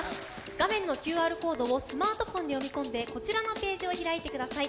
画面のＱＲコードをスマートフォンで読み込んでこちらのページを開いてください。